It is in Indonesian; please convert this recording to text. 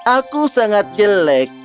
aku sangat jelek